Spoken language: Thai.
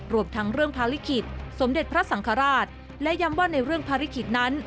รวมทั้งเรื่องภารกิจสมเด็จพระสังฆราชและย้ำว่าในเรื่องภารกิจนั้น